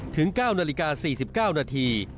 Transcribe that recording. ถึง๙นาฬิกา๔๙นาที